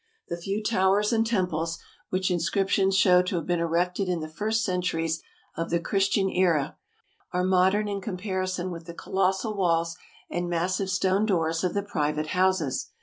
The few towers and temples, which inscriptions show to have been erected in the first centuries of the Chris tian era, are modern in comparison with the colossal walls and massive stone doors of the private houses.